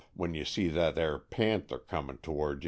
when you see that aire painter coming toward ye."